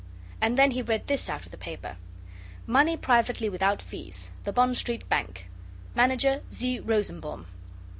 and then he read this out of the paper MONEY PRIVATELY WITHOUT FEES THE BOND STREET BANK Manager, Z. Rosenbaum.